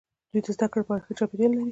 دوی د زده کړې لپاره ښه چاپیریال لري.